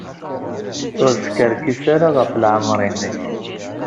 Ur skerkis ara ɣef leɛmeṛ-nnek.